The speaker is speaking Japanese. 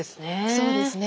そうですね。